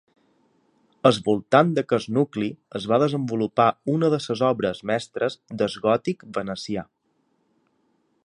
Al voltant d'aquest nucli es va desenvolupar una de les obres mestres del Gòtic venecià.